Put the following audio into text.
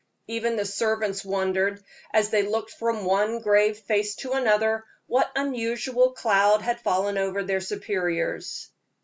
Even the servants wondered, as they looked from one grave face to another, what unusual cloud had fallen over their superiors.